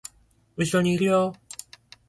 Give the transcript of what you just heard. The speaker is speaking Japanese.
後ろにいるよ